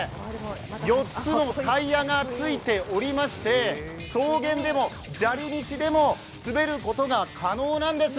４つのタイヤがついておりまして、草原でも砂利道でも滑ることが可能なんです。